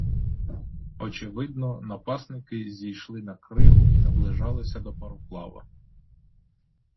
Очевидно, напасники зійшли на кригу і наближалися до пароплава.